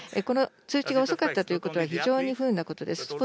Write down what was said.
この通知が遅かったということは、非常に不利なことです。